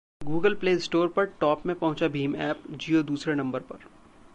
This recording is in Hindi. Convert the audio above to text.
गूगल प्ले स्टोर पर टॉप में पहुंचा भीम ऐप, जियो दूसरे नंबर पर